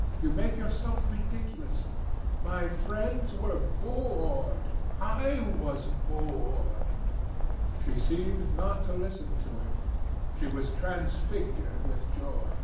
You make yourself ridiculous. My friends were bored. I was bored." She seemed not to listen to him. She was transfigured with joy.